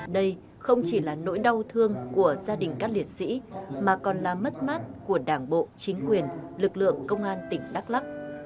đây không chỉ là nỗi đau thương của gia đình các liệt sĩ mà còn là mất mát của đảng bộ chính quyền lực lượng công an tỉnh đắk lắc